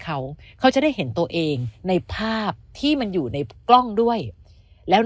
เขาเขาจะได้เห็นตัวเองในภาพที่มันอยู่ในกล้องด้วยแล้ว